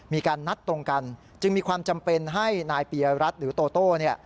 มีการนัดตรงกันจึงมีความจำเป็นให้นายปียรัฐหรือโตโต้เนี่ย